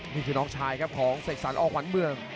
นี่คือน้องชายครับของเสกสรรออกขวัญเมือง